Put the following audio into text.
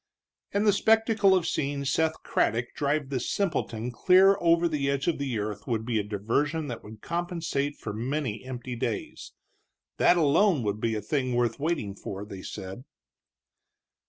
And the spectacle of seeing Seth Craddock drive this simpleton clear over the edge of the earth would be a diversion that would compensate for many empty days. That alone would be a thing worth waiting for, they said.